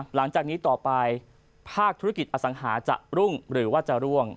หลังจากนี้ต่อไปภาคธุรกิจอสังหาจะรุ่งหรือว่าจะร่วง